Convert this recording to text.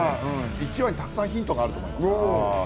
１話にたくさんヒントがあると思います。